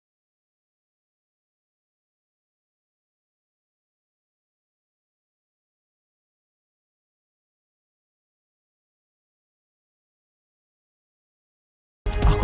buruan ke makam